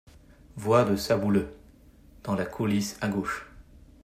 Voix de Sabouleux , dans la coulisse à gauche.